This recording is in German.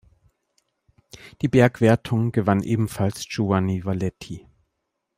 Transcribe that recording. Die Bergwertung gewann ebenfalls Giovanni Valetti.